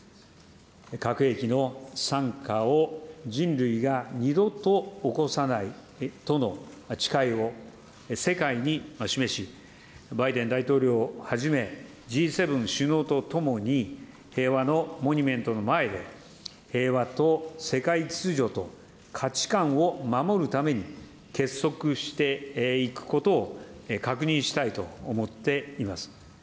核兵器の惨禍を人類が二度と起こさないとの誓いを世界に示し、バイデン大統領をはじめ、Ｇ７首脳と共に、平和のモニュメントの前で、平和と世界秩序と価値観を守るために、結束していくことを確認したいと思っています。